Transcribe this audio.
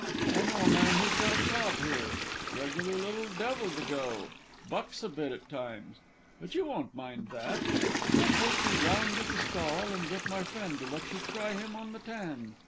I know a man who's got a cob here regular little devil to go bucks a bit at times but you won't mind that. I'll take you round to the stall and get my friend to let you try him on the tan.